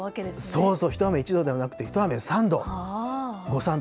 そうそう、一雨一度ではなくて、一雨三度。